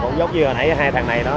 cũng giống như hồi nãy hai thằng này đó